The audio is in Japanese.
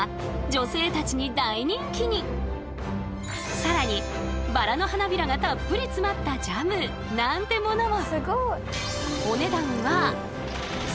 更にバラの花びらがたっぷり詰まったジャムなんてものも。